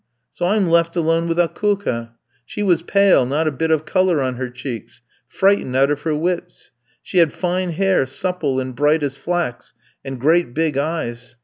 So I'm left alone with Akoulka; she was pale, not a bit of colour on her cheeks; frightened out of her wits. She had fine hair, supple and bright as flax, and great big eyes.